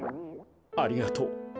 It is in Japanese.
ありがとう。